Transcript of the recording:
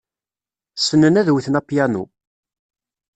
Ssnen ad wten apyanu.